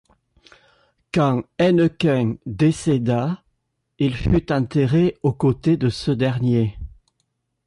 Quand Hennequin décéda, il fut enterré aux côtés de ce dernier.